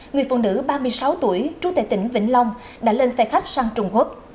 người phụ nữ ba mươi sáu tuổi trú tại tỉnh vĩnh long đã lên xe khách sang trung quốc